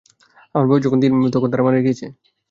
আমার বয়স যখন তিন তখন তারা মারা গিয়েছে।